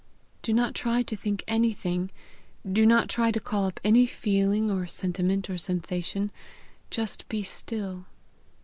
Do not try to think anything. Do not try to call up any feeling or sentiment or sensation; just be still.